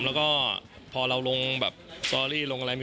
แล้วจะชิมยังไงล่ะ